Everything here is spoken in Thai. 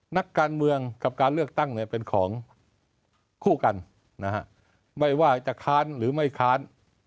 นักการเมืองกับการเลือกตั้งเนี่ยเป็นของคู่กันนะฮะไม่ว่าจะค้านหรือไม่ค้าน